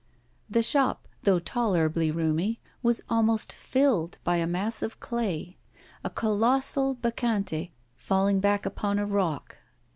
The shop, though tolerably roomy, was almost filled by a mass of clay: a colossal Bacchante, falling back upon a rock.